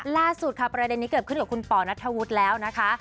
ล่าสุดค่ะประเด็นนี้เกิดขึ้นกับคุณป่อนัทธวุฒิแล้วนะคะ